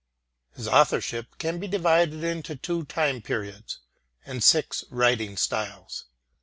His authorship can be divided into two time periods and six writing styles.